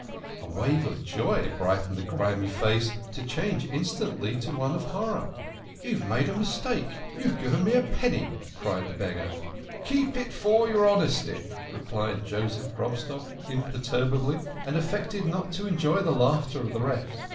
A wave of joy brightened the grimy face, to change instantly to one of horror. " You have made a mistake you have given me a penny !" cried the beggar. "Keep it for your honesty," replied Joseph Grobstock imperturbably, and affected not to enjoy the laughter of the rest.